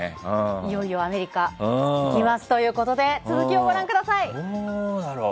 いよいよアメリカへ行きますということで続きをご覧ください。